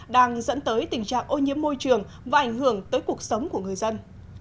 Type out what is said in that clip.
đang dẫn tới tình trạng ô nhiễm môi trường và ảnh hưởng tới cuộc sống của người dân